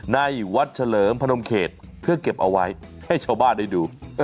ในวัดเฉลิมพนมเขตเพื่อเก็บเอาไว้ให้ชาวบ้านได้ดู